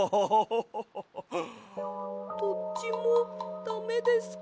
どっちもダメですか？